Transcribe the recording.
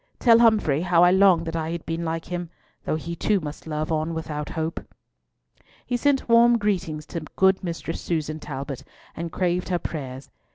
Tell Humfrey how I long that I had been like him, though he too must love on without hope." He sent warm greetings to good Mistress Susan Talbot and craved her prayers.